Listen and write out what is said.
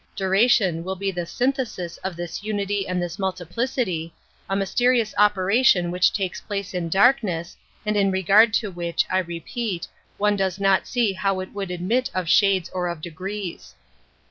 Duration will be the " synthesis " of this unity and this multiplicity, a mysterious operation which takes place in darkness, and in re gard to which, I repeat, one does not see [ bow it would admit of shades or of degrees.